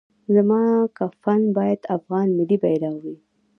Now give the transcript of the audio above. زما کفن باید افغان ملي بیرغ وي